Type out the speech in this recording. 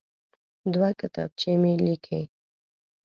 دوه کتابچې مه لیکئ.